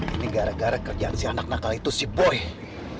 ini gara gara kerjaan si anak nakal itu si boy